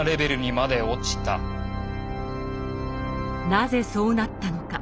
なぜそうなったのか。